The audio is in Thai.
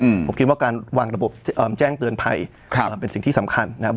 อืมผมคิดว่าการวางระบบอ่าแจ้งเตือนภัยครับอ่าเป็นสิ่งที่สำคัญนะครับ